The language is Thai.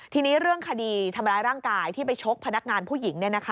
ทีนี้เรื่องคดีทำร้ายร่างกายที่ไปชกพนักงานผู้หญิง